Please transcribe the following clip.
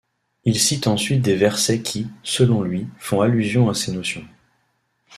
Il cite ensuite des versets qui, selon lui, font allusion à ces notions.